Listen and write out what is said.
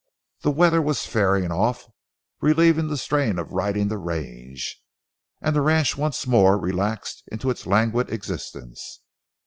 The weather was fairing off, relieving the strain of riding the range, and the ranch once more relaxed into its languid existence.